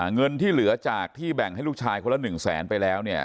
เงินที่เหลือจากที่แบ่งให้ลูกชายคนละ๑แสนไปแล้วเนี่ย